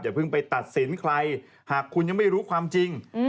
เพิ่งไปตัดสินใครหากคุณยังไม่รู้ความจริง